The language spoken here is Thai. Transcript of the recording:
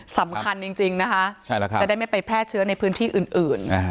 สำคัญจริงจริงนะคะใช่แล้วครับจะได้ไม่ไปแพร่เชื้อในพื้นที่อื่นอื่น